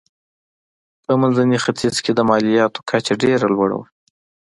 په منځني ختیځ کې د مالیاتو کچه ډېره لوړه وه.